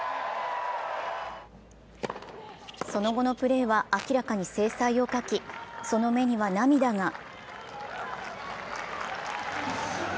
その後のプレーは明らかに精彩を欠き、その目には涙が。